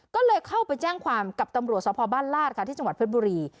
ก็เลยเข้าไปแจ้งความกับตำรวจสพบ้านลาดค่ะที่จังหวัดเพชรบุรี